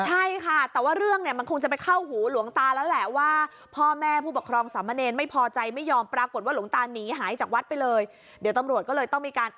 ใช่ค่ะแต่ว่าเรื่องมันคงจะไปเข้าหูหลวงตาแล้วแหละว่า